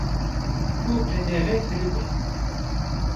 û qedexe kiribe